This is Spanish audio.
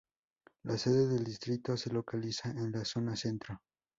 La sede del distrito se localiza en la Zona Centro.